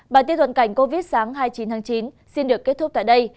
bản tiết luận cảnh covid sáng hai mươi chín tháng chín xin được kết thúc tại đây